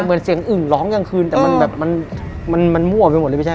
เหมือนเสียงอึ่งร้องกลางคืนแต่มันแบบมันมั่วไปหมดเลยพี่แ